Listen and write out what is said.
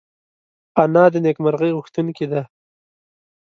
انا د نېکمرغۍ غوښتونکې ده